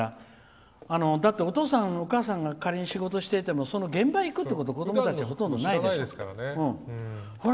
だって、お父さん、お母さんが仮に仕事していてもその現場に行くって子どもたち、ほとんどない。